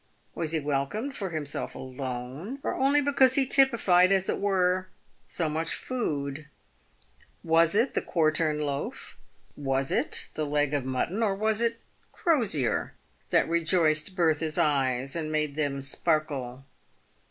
Was he wel come for himself alone, or only because he typified, as it were, so much food ? "Was it the quartern loaf, was it the leg of mutton, or 304 PAYED WITH GOLD. was it Crosier, that rejoiced Bertha's eyes, and made them sparkle